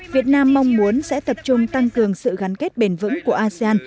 việt nam mong muốn sẽ tập trung tăng cường sự gắn kết bền vững của asean